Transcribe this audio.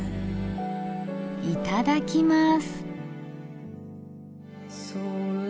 いただきます。